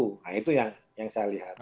nah itu yang saya lihat